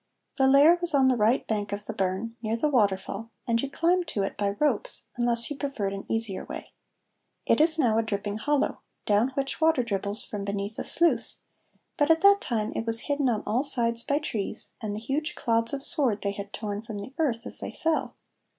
The lair was on the right bank of the burn, near the waterfall, and you climbed to it by ropes, unless you preferred an easier way. It is now a dripping hollow, down which water dribbles from beneath a sluice, but at that time it was hidden on all sides by trees and the huge clods of sward they had torn from the earth as they fell.